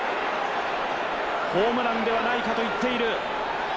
ホームランではないかと言っている。